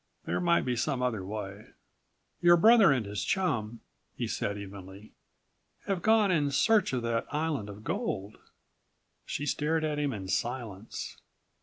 There might be some other way. "Your brother and his chum," he said evenly, "have gone in search of that island of gold." She stared at him in silence.